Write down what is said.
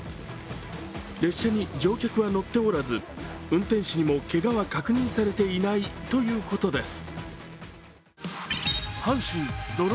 列車に乗客は乗っておらず運転士にもけがは確認されていないということです。